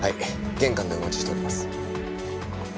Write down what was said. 玄関でお待ちしております。